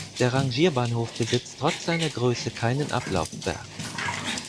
Der Rangierbahnhof besitzt trotz seiner Größe keinen Ablaufberg.